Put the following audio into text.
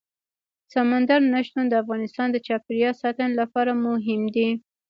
سمندر نه شتون د افغانستان د چاپیریال ساتنې لپاره مهم دي.